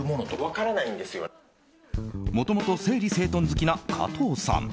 もともと整理整頓好きな加藤さん。